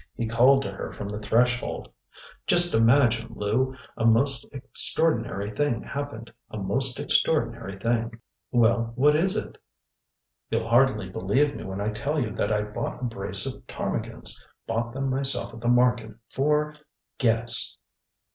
He called to her from the threshold: ŌĆ£Just imagine, Lou, a most extraordinary thing happened! A most extraordinary thing! ŌĆØ ŌĆ£Well, what is it? ŌĆØ ŌĆ£YouŌĆÖll hardly believe me when I tell you that I bought a brace of ptarmigans, bought them myself at the market for guess!